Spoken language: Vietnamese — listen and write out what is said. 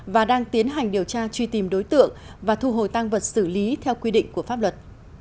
và đang tiến hành điều tra truy tìm đối tượng và thu hồi tăng vật xử lý theo quy định của pháp luật